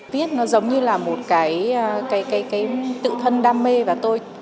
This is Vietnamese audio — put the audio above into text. viết nó giống như là một cái